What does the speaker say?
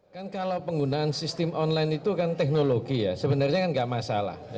kan kalau penggunaan sistem online itu kan teknologi ya sebenarnya kan nggak masalah